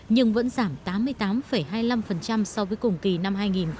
nhưng vẫn giảm tám mươi tám hai mươi năm so với cùng kỳ năm hai nghìn một mươi tám